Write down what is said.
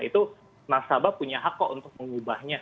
itu mas sahabat punya hak kok untuk mengubahnya